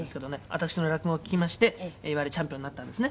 私の落語を聞きましていわゆるチャンピオンになったんですね」